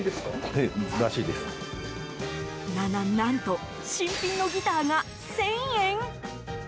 何と新品のギターが１０００円？